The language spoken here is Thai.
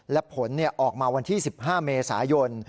และผลออกมาวันที่๑๕เมษายน